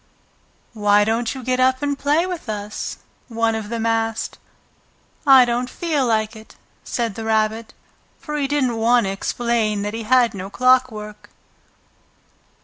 "Why don't you get up and play with us?" one of them asked. "I don't feel like it," said the Rabbit, for he didn't want to explain that he had no clockwork.